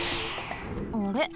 あれ？